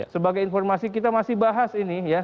sebagai informasi kita masih bahas ini ya